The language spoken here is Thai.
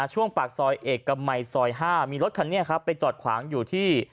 ช่วงปากซอยเอกมัยซอย๕มีรถคันนี้ครับไปจอดขวางอยู่ที่